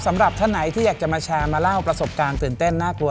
สำหรับท่านไหนที่อยากจะมาแชร์มาเล่าประสบการณ์ตื่นเต้นน่ากลัว